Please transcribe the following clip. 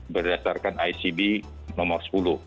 berdasarkan icd nomor sepuluh